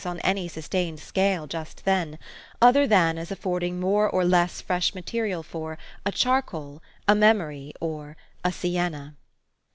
99 on any sustained scale, just then, other than as af fording more or less fresh material for " a charcoal," '' a memory ," or "a sienna.